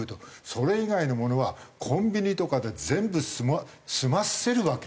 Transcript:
それ以外のものはコンビニとかで全部済ませるわけ。